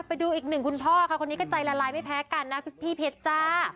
ไปดูอีกหนึ่งคุณพ่อค่ะคนนี้ก็ใจละลายไม่แพ้กันนะพี่เพชรจ้า